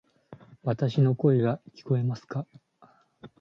わたし（の声）が聞こえますか？